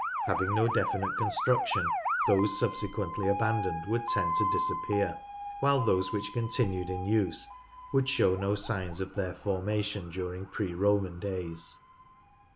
Having no definite construction, those subsequently abandoned would tend to disappear, while those which continued in use would show no signs of their formation during pre Roman days.